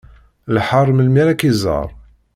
Iḥar melmi ara k-iẓer.